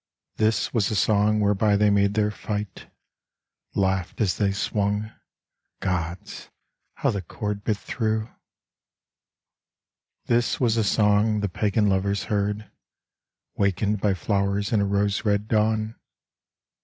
This was the song whereby they made their fight, Laughed as they swung. Gods! how the cord bit through! This was the song the pagan lovers heard, Wakened by flowers in a rose red dawn.